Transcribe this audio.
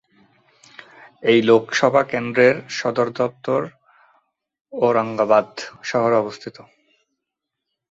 এই লোকসভা কেন্দ্রের সদর দফতর ঔরঙ্গাবাদ শহরে অবস্থিত।